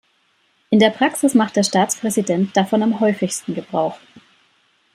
In der Praxis macht der Staatspräsident davon am häufigsten Gebrauch.